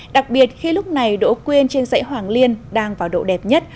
đặc biệt khi lúc này đỗ quyên trên dãy hoàng liên đang vào độ đẹp nhất